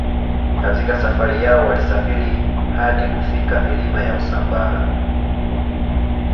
Katika safari yao walisafiri hadi kufika milima ya Usambara